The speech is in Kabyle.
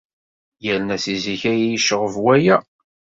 Yerna seg zik ay iyi-yecɣeb waya.